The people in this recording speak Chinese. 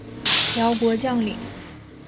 辽国将领。